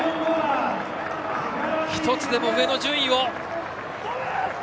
１つでも上の順位を！